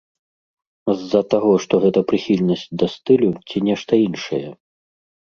З-за таго, што гэта прыхільнасць да стылю ці нешта іншае?